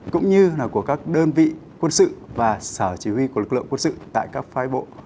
cũng như là của các đơn vị quân sự và sở chỉ huy của lực lượng quân sự tại các phái bộ